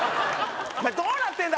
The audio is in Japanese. どうなってんだ